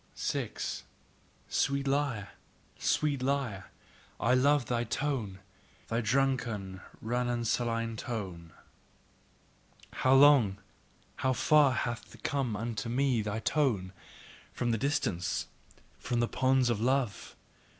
6. Sweet lyre! Sweet lyre! I love thy tone, thy drunken, ranunculine tone! how long, how far hath come unto me thy tone, from the distance, from the ponds of love!